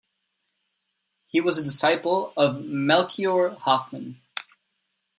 He was a disciple of Melchior Hoffman.